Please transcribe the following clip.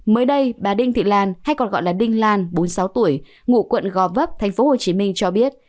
mới đây bà đinh thị lan hay còn gọi là đinh lan bốn mươi sáu tuổi ngụ quận gò vấp tp hcm cho biết